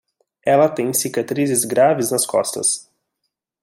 Ela tem cicatrizes graves nas costas